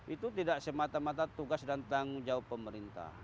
itu tidak semata mata tugas dan tanggung jawab pemerintah